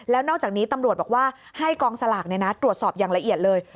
แล้วนอกจากนี้ตำรวจบอกว่าให้กองสลากตรวจสอบอย่างละเอียดเลย